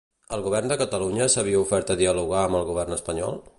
El govern de Catalunya s'havia ofert a dialogar amb el govern espanyol?